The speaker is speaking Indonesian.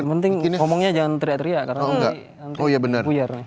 yang penting ngomongnya jangan teriak teriak karena ngomong puyar